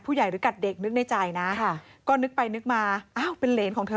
หรือกัดเด็กนึกในใจนะค่ะก็นึกไปนึกมาอ้าวเป็นเหรนของเธอ